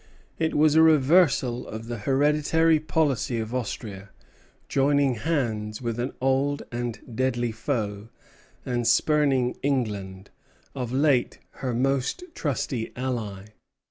It was a reversal of the hereditary policy of Austria; joining hands with an old and deadly foe, and spurning England, of late her most trusty ally.